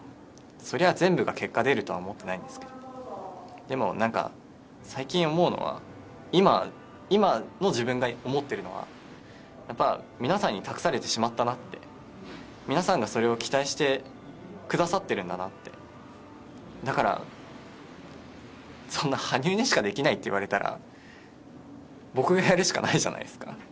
そりゃ、全部が結果出るとは思ってないんですけどでも、最近思うのは今の自分が思っているのは皆さんに託されてしまったなって皆さんがそれを期待してくださってるんだなってだから、そんな羽生にしかできないと言われたら僕がやるしかないじゃないですか。